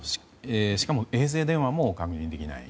しかも衛星電話も確認できない。